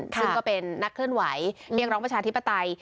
ซึ่งก็เป็นนักเคลื่อนไหวเรียกร้องประชาธิปไตย